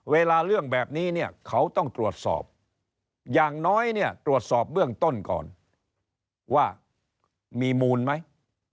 เรื่องแบบนี้เนี่ยเขาต้องตรวจสอบอย่างน้อยเนี่ยตรวจสอบเบื้องต้นก่อนว่ามีมูลไหม